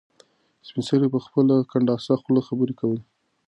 سپین سرې په خپله کنډاسه خوله خبرې کولې.